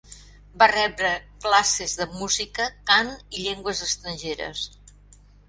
Va rebre classes de música, cant i llengües estrangeres.